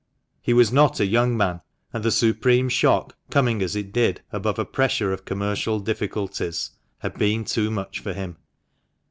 He was not a young man, and the supreme shock, coming as it did above a pressure of commercial difficulties, had been too much for him.